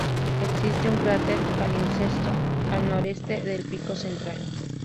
Existe un cráter palimpsesto al noreste del pico central.